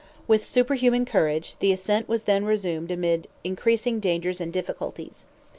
With superhuman courage, the ascent was then resumed amid increasing dangers and difficulties.